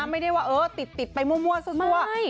ไม่ได้ว่าเออติดไปมั่วซั่ว